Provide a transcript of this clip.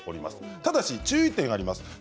ただし注意点があります。